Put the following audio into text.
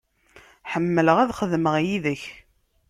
Ḥemmleɣ ad xedmeɣ yid-k.